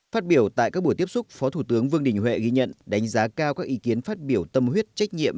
phát biểu tại các buổi tiếp xúc phó thủ tướng vương đình huệ ghi nhận đánh giá cao các ý kiến phát biểu tâm huyết trách nhiệm